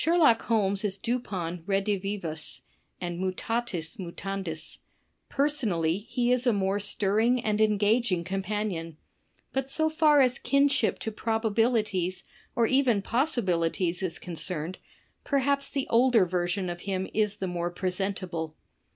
Sherlock Holmes is Dupin redivivus, and mutatus mutandis; personally he is a more stirring and engaging companion, but so far as kinship to probabilities or even possibilities is concerned, perhaps the older version of him is the more presentable.